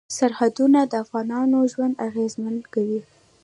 سرحدونه د افغانانو ژوند اغېزمن کوي.